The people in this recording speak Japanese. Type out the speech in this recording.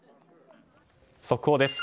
速報です。